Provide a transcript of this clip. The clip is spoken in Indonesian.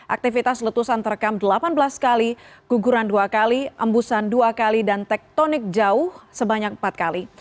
aktivitas letusan terekam delapan belas kali guguran dua kali embusan dua kali dan tektonik jauh sebanyak empat kali